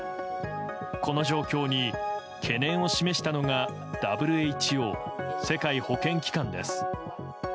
この状況に懸念を示したのがＷＨＯ・世界保健機関です。